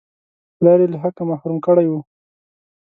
پلار یې له حقه محروم کړی وو.